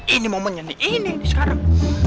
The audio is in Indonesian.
ini mau menyanyi ini sekarang